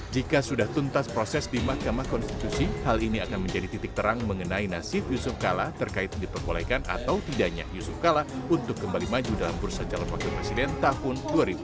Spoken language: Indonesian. jika sudah tuntas proses di mahkamah konstitusi hal ini akan menjadi titik terang mengenai nasib yusuf kala terkait diperbolehkan atau tidaknya yusuf kala untuk kembali maju dalam bursa calon wakil presiden tahun dua ribu dua puluh